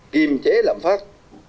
kiềm chế lạm phát